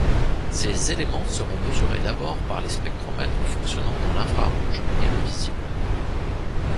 Ces éléments seront mesurés d'abord par les spectromètres fonctionnant dans l'infrarouge et le visible.